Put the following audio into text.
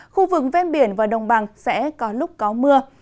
khu vực ven biển và đồng bằng sẽ có lúc có mưa